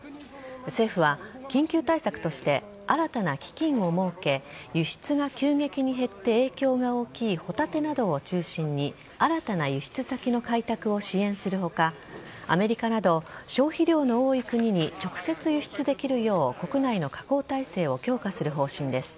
政府は、緊急対策として新たな基金を設け輸出が急激に減って影響が大きいホタテなどを中心に新たな輸出先の開拓を支援する他アメリカなど、消費量の多い国に直接輸出できるよう国内の加工体制を強化する方針です。